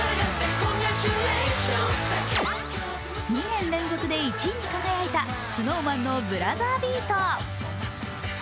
２年連続で１位に輝いたＳｎｏｗＭａｎの「ブラザービート」。